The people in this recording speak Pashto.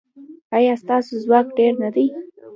ایا ستاسو ځواک ډیر نه دی؟